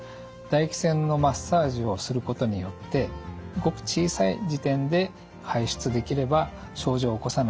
唾液腺のマッサージをすることによってごく小さい時点で排出できれば症状を起こさないで済むかもしれません。